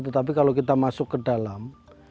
tetapi kalau kita masuk ke dalam